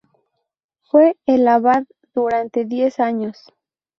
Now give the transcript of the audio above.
Fue el abad durante diez años.